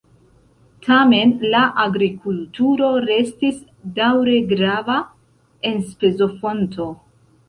Tamen la agrikulturo restis daŭre grava enspezofonto.